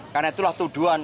karena itulah tuduhan